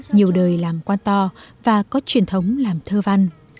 nhiều đời làm quan to và có truyền thống làm thơ văn